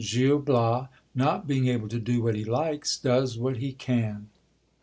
— Gil Bias, not being able to do what he likes, does what he can.